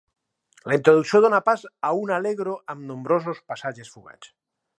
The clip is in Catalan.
La introducció dóna pas a un allegro amb nombrosos passatges fugats.